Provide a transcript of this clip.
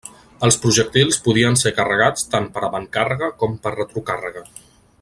Els projectils podien ser carregats tant per avantcàrrega o per retrocàrrega.